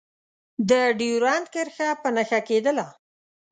د ډیورنډ کرښه په نښه کېدله.